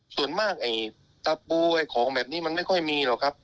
ส่วนมากไอ้ตะปูไอ้ของแบบนี้มันไม่ค่อยมีหรอกครับ